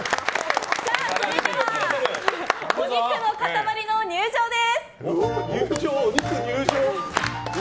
それではお肉の塊の入場です！